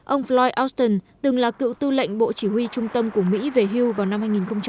ông floyd auston từng là cựu tư lệnh bộ chỉ huy trung tâm của mỹ về hưu vào năm hai nghìn một mươi